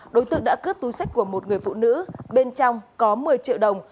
đối tượng đã cướp túi sách của một người phụ nữ bên trong có một mươi triệu đồng